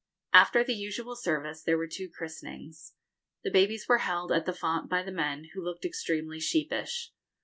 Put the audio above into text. After the usual service there were two christenings. The babies were held at the font by the men, who looked extremely sheepish.